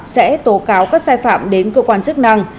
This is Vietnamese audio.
sẽ tố cáo các sai phạm đến cơ quan chức năng